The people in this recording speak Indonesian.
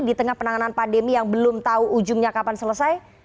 di tengah penanganan pandemi yang belum tahu ujungnya kapan selesai